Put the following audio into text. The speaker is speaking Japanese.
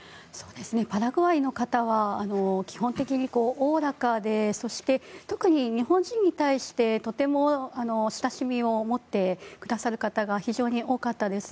パラグアイの方は基本的におおらかでそして、特に日本人に対して親しみを持ってくださる方が非常に多かったです。